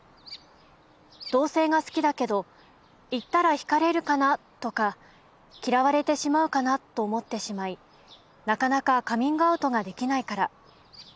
同性が好きだけど言ったら引かれるかなとか嫌われてしまうかなと思ってしまいなかなかカミングアウトができないから。